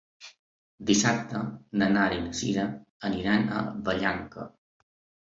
Dissabte na Nara i na Sira aniran a Vallanca.